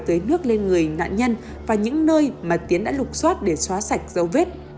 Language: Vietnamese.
tưới nước lên người nạn nhân và những nơi mà tiến đã lục xoát để xóa sạch dấu vết